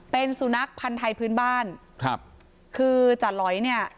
เป็นสุนัขพันธ์ไทยพื้นบ้านครับคือจาหลอยเนี่ย